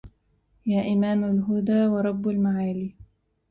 يا إمام الهدى ورب المعالي